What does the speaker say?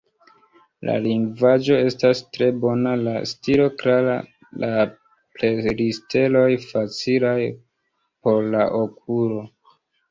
La lingvaĵo estas tre bona, la stilo klara, la presliteroj facilaj por la okulo.